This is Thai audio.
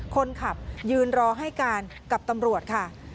คนขับยืนรอให้การกับตำรวจค่ะ